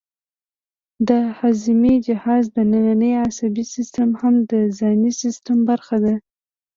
د هاضمې جهاز دنننی عصبي سیستم هم د ځانی سیستم برخه ده